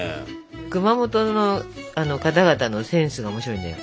熊本の方々のセンスが面白いんだよ。